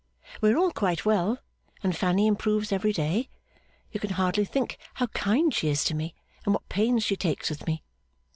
We are all quite well, and Fanny improves every day. You can hardly think how kind she is to me, and what pains she takes with me.